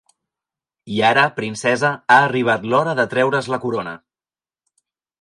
I ara, princesa, ha arribat l'hora de treure's la corona.